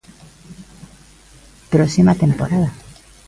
Próxima temporada.